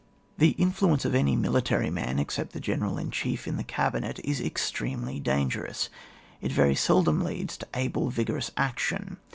The influence of any militaiy man except the General in Chief in the cabinet, is extremely dangerous ; it very seldom leads to able vigorous action.